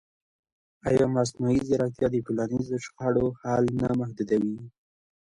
ایا مصنوعي ځیرکتیا د ټولنیزو شخړو حل نه محدودوي؟